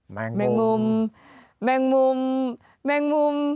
แมงแมงมุมแมงมุมแมงมุม